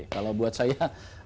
kalau buat saya